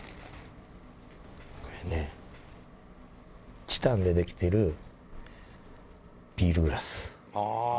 これね、チタンで出来てるビールグラス。